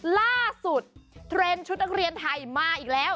ล่าสุดเทรนด์ชุดนักเรียนไทยมาอีกแล้ว